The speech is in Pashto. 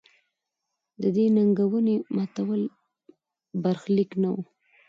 د دې ننګونې ماتول برخلیک نه و.